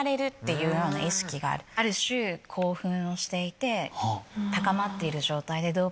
ある種興奮をしていて高まっている状態で。